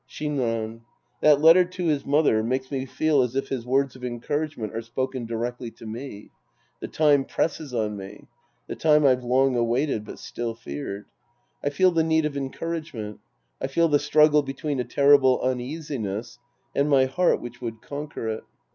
Shinran. That letter to his mother makes me feel as if his words of encouragement are spoken directly to me. The time presses on me. The time I've long awaited but still feared. I feel the need of encouragement. I feel the struggle between a terrible uneasiness and my heart which would conquer it.